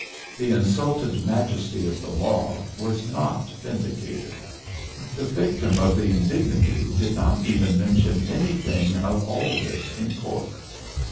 The insulted majesty of the law was not vindicated; the victim of the indignity did not even mention anything of all this in court.